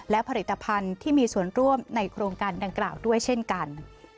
และผลิตภัณฑ์ที่มีส่วนร่วมในโครงการดังกล่าวด้วยเช่นกัน